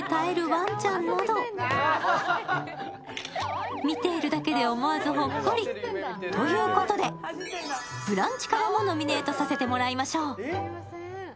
ワンちゃんなど、見ているだけで思わずほっこり。ということで、「ブランチ」からもノミネートさせてもらいましょう。